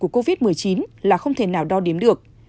của covid một mươi chín là không thể nào đo đếm được